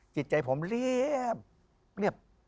จิตใจผมเรียบเรียบ